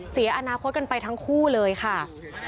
เสียอนาคตกันไปทั้งคู่เลยค่ะ